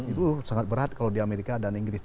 itu sangat berat kalau di amerika dan inggris